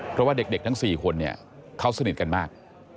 เพราะว่าเด็กทั้ง๔คนเนี่ยเขาสนิทกันมาก